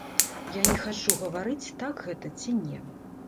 Я не хачу гаварыць, так гэта ці не.